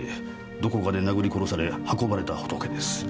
どこかで殴り殺され運ばれたホトケです。